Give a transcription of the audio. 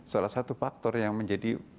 salah satu faktor yang menjadi